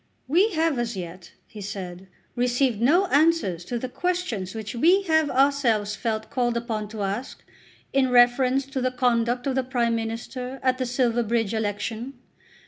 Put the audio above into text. "We have as yet," he said, "received no answers to the questions which we have felt ourselves called upon to ask in reference to the conduct of the Prime Minister at the Silverbridge election.